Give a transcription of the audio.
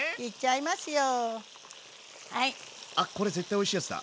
あっこれ絶対おいしいやつだ。